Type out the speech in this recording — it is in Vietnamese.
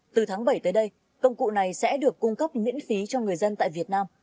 từ tháng bảy tới đây công cụ này sẽ được cung cấp miễn phí cho người dân tại việt nam